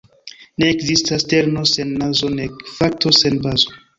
Ne ekzistas terno sen nazo nek fakto sen bazo.